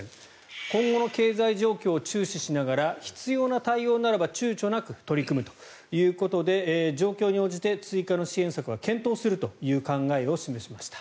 今後の経済状況を注視しながら必要な対応ならば躊躇なく取り組むということで状況に応じて追加の支援策は検討するという考えを示しました。